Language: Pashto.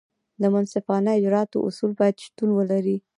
د منصفانه اجراآتو اصول باید شتون ولري.